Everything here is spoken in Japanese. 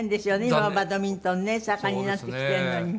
今はバドミントンね盛んになってきてるのに。